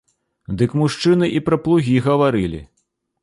Дык мужчыны і пра плугі гаварылі.